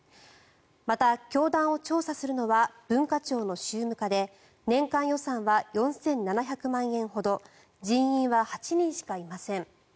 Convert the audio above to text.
また教団を調査するのは文化庁の宗務課で年間予算は４７００万円ほど人員は８人しかいません。